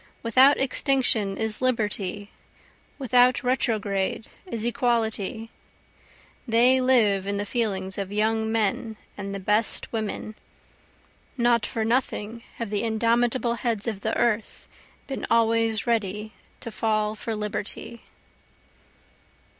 Without extinction is Liberty, without retrograde is Equality, They live in the feelings of young men and the best women, (Not for nothing have the indomitable heads of the earth been always ready to fall for Liberty.)